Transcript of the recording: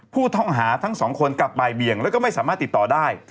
ผู้ต้องหาทั้งสองคนกลับบ่ายเบี่ยงแล้วก็ไม่สามารถติดต่อได้